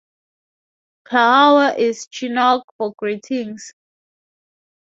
Klahowya is Chinook for Greetings.